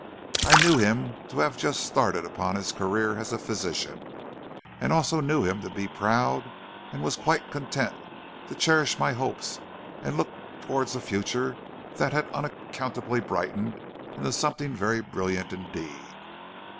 I knew him to have just started upon his career as physician, and also knew him to be proud, and was quite content to cherish my hopes and look towards a future that had unaccountably brightened into something very brilliant indeed.